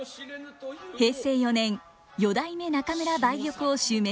平成４年四代目中村梅玉を襲名します。